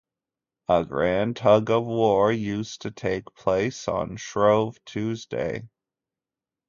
A grand tug-of-war used to take place on Shrove Tuesday.